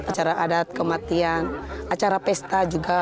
acara adat kematian acara pesta juga